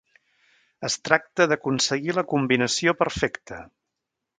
Es tracta d'aconseguir la combinació perfecta.